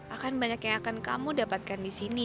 akan banyak yang akan kamu dapatkan disini